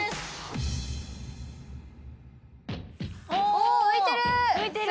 お浮いてる！